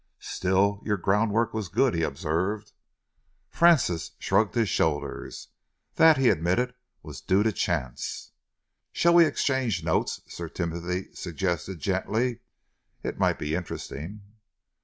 "Still, your groundwork was good," he observed. Francis shrugged his shoulders. "That," he admitted, "was due to chance." "Shall we exchange notes?" Sir Timothy suggested gently. "It might be interesting."